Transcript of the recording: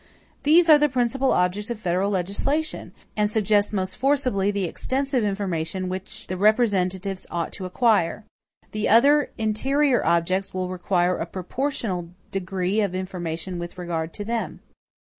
These are the principal objects of federal legislation, and suggest most forcibly the extensive information which the representatives ought to acquire. The other interior objects will require a proportional degree of information with regard to them.